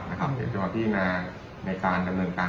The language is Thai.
เหตุประทิาณาในการจำนวนการ